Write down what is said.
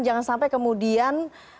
jangan sampai kemudian